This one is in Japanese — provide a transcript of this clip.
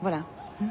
うん。